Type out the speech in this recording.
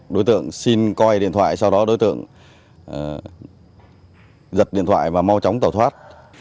đối tượng xin coi điện thoại sau đó đối tượng giật điện thoại và mau chóng tẩu thoát